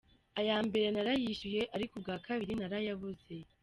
Aya mbere narayishyuye, ariko ubwa kabiri narayabuze.